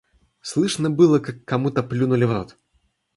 Слышно было, как кому-то плюнули в рот.